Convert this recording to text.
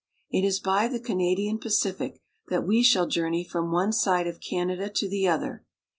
It is by the Canadian Pacific that we shall journey from one side of Canada to the other.